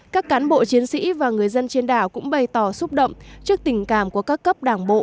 các cán bộ chiến sĩ và người dân trên đảo cũng bày tỏ xúc động trước tình cảm của các cấp đảng bộ